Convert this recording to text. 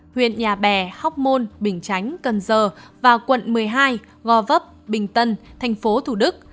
huyện nhà bè hoc mon bình chánh cân dơ và quận một mươi hai gò vấp bình tân tp thủ đức